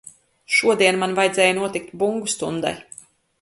Šodien man vajadzēja notikt bungu stundai.